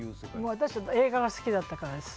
私たち、映画が好きだったから。